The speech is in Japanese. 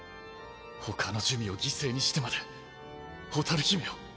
ほかの珠魅を犠牲にしてまで蛍姫を。